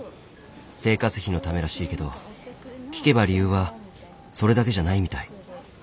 生活費のためらしいけど聞けば理由はそれだけじゃないみたい。